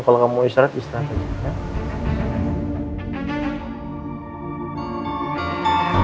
kalau gak mau istirahat istirahat aja